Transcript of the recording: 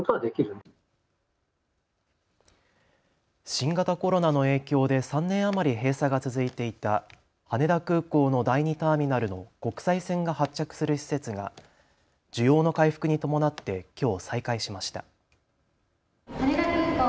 新型コロナの影響で３年余り閉鎖が続いていた羽田空港の第２ターミナルの国際線が発着する施設が需要の回復に伴ってきょう再開しました。